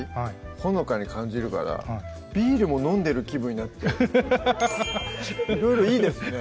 ほのかに感じるからビールも飲んでる気分になっていろいろいいですね